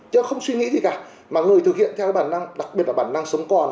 chứ không suy nghĩ gì cả mà người thực hiện theo cái bản năng đặc biệt là bản năng sống còn